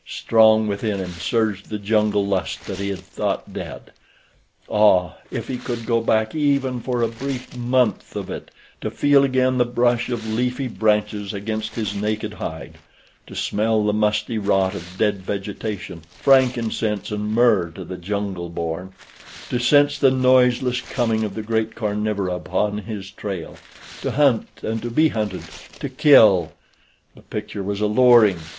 Strong within him surged the jungle lust that he had thought dead. Ah! if he could go back even for a brief month of it, to feel again the brush of leafy branches against his naked hide; to smell the musty rot of dead vegetation—frankincense and myrrh to the jungle born; to sense the noiseless coming of the great carnivora upon his trail; to hunt and to be hunted; to kill! The picture was alluring.